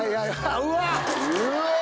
うわ！